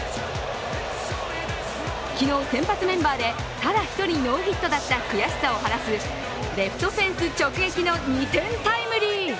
昨日、先発メンバーでただ一人ノーヒットだった悔しさを晴らすレフトフェンス直撃の２点タイムリー。